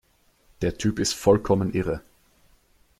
Der Typ ist vollkommen irre!